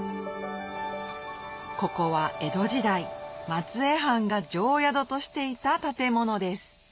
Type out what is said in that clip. ここは江戸時代松江藩が定宿としていた建物です